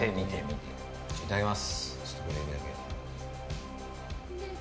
いただきます。